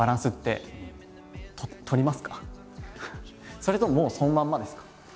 それとももうそのままですか？